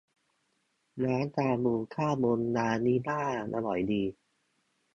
ร้านชาบูข้างบนลาวิลล่าอร่อยดี